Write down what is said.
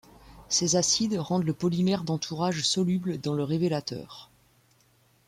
Ces acides rendent le polymère d'entourage soluble dans le révélateur.